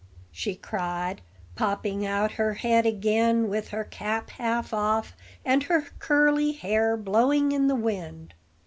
she cried, popping out her head again with her cap half off, and her curly hair blowing in the wind.